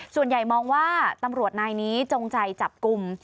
ส่วนใหญ่มองว่าตำรวจนายนี้จงใจจับกลุ่ม